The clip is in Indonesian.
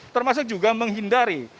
termasuk juga menghindari